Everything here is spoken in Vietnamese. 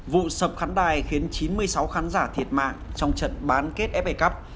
vụ sập khắn đài khiến chín mươi sáu khán giả thiệt mạng trong trận bán kết fa cup